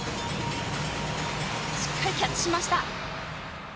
しっかりキャッチしました。